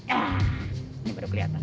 ini baru kelihatan